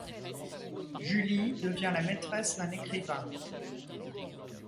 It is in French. Julie devient la maîtresse d'un écrivain.